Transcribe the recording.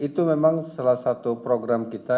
itu memang salah satu program kita